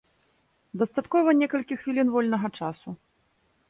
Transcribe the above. Дастаткова некалькі хвілін вольнага часу.